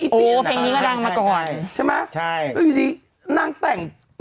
นึกว่าขับรถสองแถว